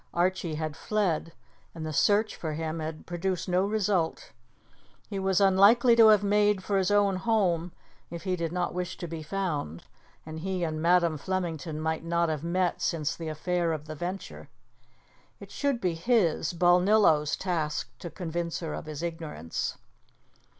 Archie had fled, and the search for him had produced no result; he was unlikely to have made for his own home if he did not wish to be found, and he and Madam Flemington might not have met since the affair of the Venture. It should be his Balnillo's task to convince her of his ignorance.